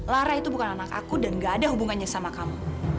lara itu bukan anak aku dan gak ada hubungannya sama kamu